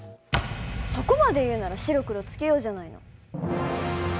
そこまで言うなら白黒つけようじゃないの。